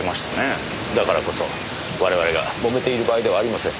だからこそ我々が揉めている場合ではありません。